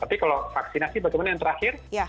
tapi kalau vaksinasi bagaimana yang terakhir